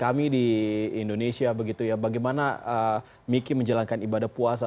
oke miki ceritain dong ke kami di indonesia begitu ya bagaimana miki menjalankan ibadah puasa